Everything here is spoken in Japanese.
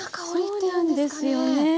そうなんですよね。